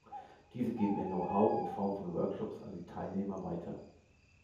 Diese geben ihr Know-how in Form von Workshops an die Teilnehmer weiter.